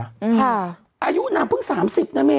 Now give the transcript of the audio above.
อายุนางเพิ่ง๓๐นะเมย